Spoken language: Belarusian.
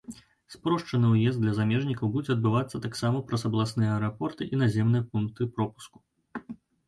Спрошчаны ўезд для замежнікаў будзе адбывацца таксама праз абласныя аэрапорты і наземныя пункты пропуску.